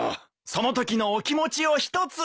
その時のお気持ちを一つ。